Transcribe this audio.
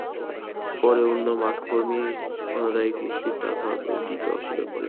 পরে অন্য মাঠকর্মী অনাদায়ি কিস্তির টাকা চাইলে তাঁরা দিতে অস্বীকার করেন।